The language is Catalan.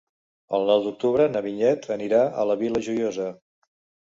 El nou d'octubre na Vinyet anirà a la Vila Joiosa.